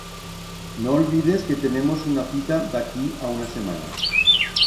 N'olbides que tenemos una cita d'aquí a una semana.